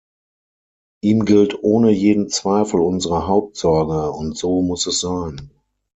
Ihm gilt ohne jeden Zweifel unsere Hauptsorge, und so muss es sein.